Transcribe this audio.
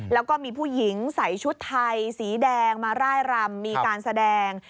แล้วก็มีผู้หญิงใส่ชุดไทยสีแดงมาร่ายรำมีการแสดง